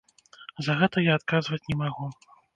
За гэта я адказваць не магу.